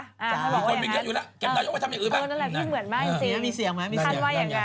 เหมือนกันเลยพี่เหมือนมากจริง